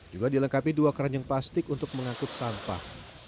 juga dilengkapi dua keranjang plastik untuk mengangkut sampah